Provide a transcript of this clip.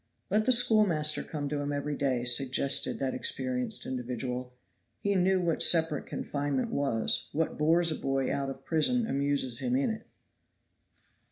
"Let the schoolmaster come to him every day," suggested that experienced individual. He knew what separate confinement was. What bores a boy out of prison amuses him in it.